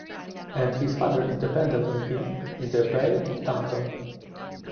And his father is dependent on him in the Vale of Taunton.